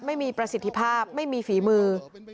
ไม่มีประสิทธิภาพไม่มีฝีมือ